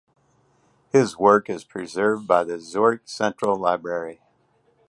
His work is preserved by the Zurich Central Library.